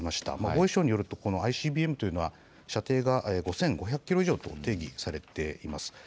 防衛省によると、このＩＣＢＭというのは射程が１５００キロ以上と定義されています。